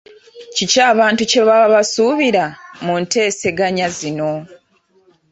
Kiki abantu kye baba basuubira mu nteeseganya zino?